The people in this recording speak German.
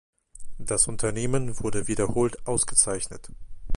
Das Unternehmen wurde wiederholt ausgezeichnet.